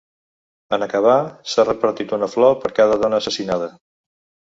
En acabar, s’ha repartit una flor per cada dona assassinada.